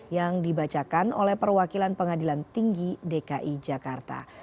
yang dibacakan oleh perwakilan pengadilan tinggi dki jakarta